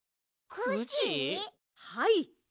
はい。